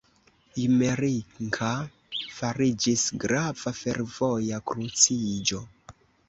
Jmerinka fariĝis grava fervoja kruciĝo.